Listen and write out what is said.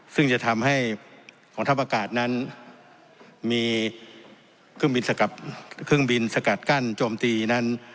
ซึ่งจะทำให้กองทัพอากาศนั้นมีเครื่องบินสกัดกั้นโจมตีนั้น